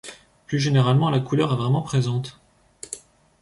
Plus généralement la couleur est vraiment présente.